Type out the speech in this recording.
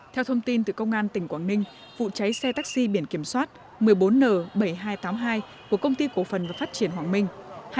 theo thông tin từ công an tỉnh quảng ninh vụ cháy xe taxi biển kiểm soát một mươi bốn n bảy nghìn hai trăm tám mươi hai của công ty cổ phần và phát triển hoàng minh